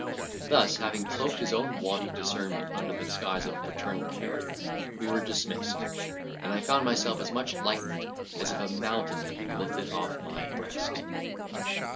Thus, having cloaked his own want of discernment under the disguise of paternal care, we were dismissed, and I found myself as much lightened as if a mountain had been lifted off my breast.